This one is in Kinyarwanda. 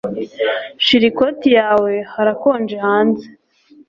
Shira ikoti yawe Harakonje hanze